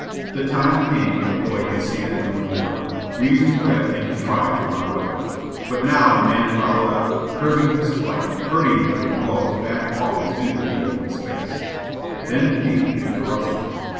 The time came when the boy could stand it no more. Reason fled, and he tried to run away. But now the man followed up, curbing his flight, herding him with blows back always into the open space. Then came interruption.